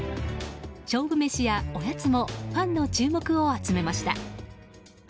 勝負メシやおやつもファンの注目を集めました。